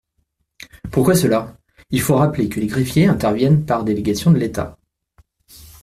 Pourquoi cela ? Il faut rappeler que les greffiers interviennent par délégation de l’État.